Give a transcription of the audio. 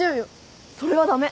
それは駄目！